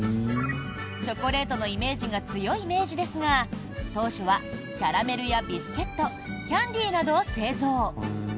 チョコレートのイメージが強い明治ですが当初はキャラメルやビスケットキャンディーなどを製造。